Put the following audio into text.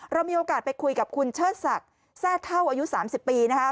เรามีโอกาสไปคุยกับคุณเชิดศักดิ์แทร่เท่าอายุ๓๐ปีนะคะ